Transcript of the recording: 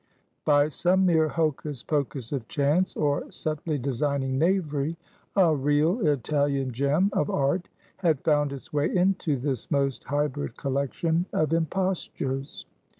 By some mere hocus pocus of chance, or subtly designing knavery, a real Italian gem of art had found its way into this most hybrid collection of impostures.